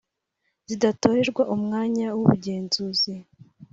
zidatorerwa umwanya w’ubugenzuzi